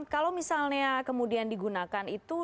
kalau misalnya kemudian digunakan itu